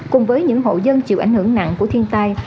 cùng với những hộ dân chịu ảnh hưởng nặng của thiên tai